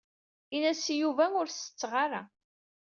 Ini-as i Yuba ur setteɣ ara.